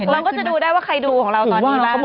เราก็จะดูได้ว่าใครดูของเราตอนนี้แล้ว